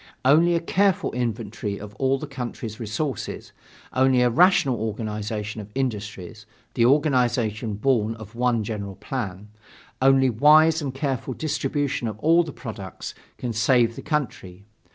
Only a careful inventory of all the country's resources; only a rational organization of industries an organization born of one general plan; only wise and careful distribution of all the products, can save the country.